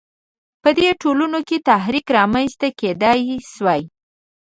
په دې ټولنو کې تحرک رامنځته کېدای شوای.